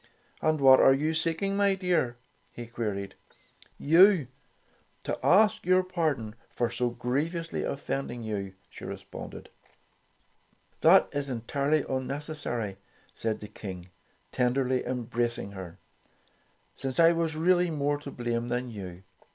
"And what are you seeking, my dear?" he queried. "You, to ask your pardon for so griev ously offending you," she responded. "That is entirely unnecessary," declared the King, tenderly embracing her, "since I was really more to blame than you.